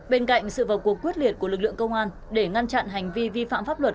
bên cạnh sự vào cuộc quyết liệt của lực lượng công an để ngăn chặn hành vi vi phạm pháp luật